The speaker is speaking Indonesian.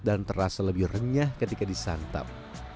dan terasa lebih renyah ketika disantap